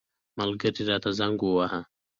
ملګري راته زنګ وواهه.